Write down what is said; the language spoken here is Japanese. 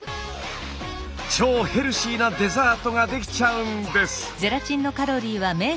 超ヘルシーなデザートが出来ちゃうんです。